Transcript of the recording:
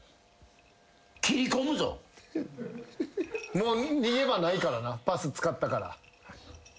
もう逃げ場ないからなパス使ったから。